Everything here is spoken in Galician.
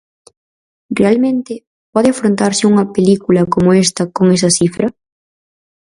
Realmente, pode afrontarse unha película como esta con esa cifra?